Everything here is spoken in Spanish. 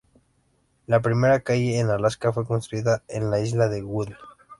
La primera calle en Alaska fue construida en la isla de Woody.